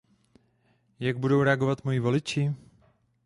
Jak budou reagovat moji voliči?